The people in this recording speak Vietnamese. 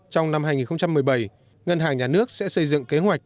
trong năm hai nghìn một mươi bảy ngân hàng nhà nước sẽ xây dựng kế hoạch